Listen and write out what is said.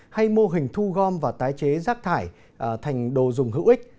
hay mô hình thu gom và tái chế rác thải thành đồ dùng hữu ích